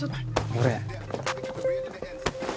俺